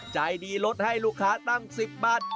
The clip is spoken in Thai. ใจดีลดให้ลูกค้าตั้ง๑๐บาท